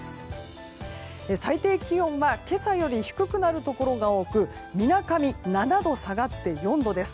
最低気温は今朝より低くなるところが多くみなかみは７度下がって４度です。